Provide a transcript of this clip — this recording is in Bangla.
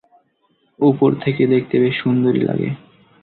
উপর থেকে দেখতে বেশ সুন্দরই লাগে।